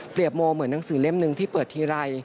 โมเหมือนหนังสือเล่มหนึ่งที่เปิดทีไร